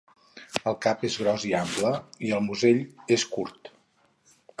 El cap és gros i ample i el musell és curt.